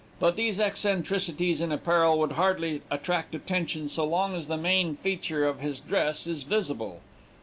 But these eccentricities in apparel would hardly attract attention so long as the main feature of his dress is visible.